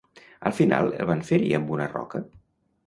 Al final el van ferir amb una roca?